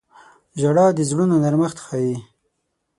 • ژړا د زړونو نرمښت ښيي.